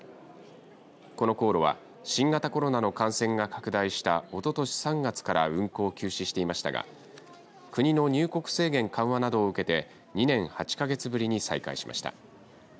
この航路は新型コロナの感染が拡大したおととし３月から運航を休止していましたが国の入国制限緩和などを受けて２年８か月ぶりに再開しました。